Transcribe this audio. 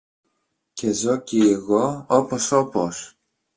και ζω κι εγώ όπως όπως